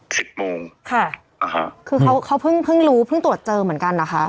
สิบโมงค่ะอ่าฮะคือเขาเขาเพิ่งเพิ่งรู้เพิ่งตรวจเจอเหมือนกันนะคะ